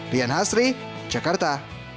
rian hasri jakarta